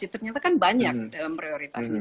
ternyata kan banyak dalam prioritasnya